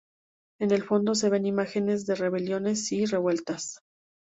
En el fondo se ven imágenes de rebeliones y revueltas.